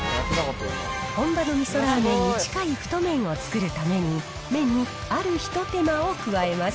本場のみそラーメンに近い太麺を作るために、麺にある一手間を加えます。